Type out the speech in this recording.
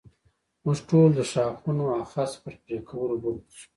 موږ ټول د ښاخونو او خس پر پرې کولو بوخت شو.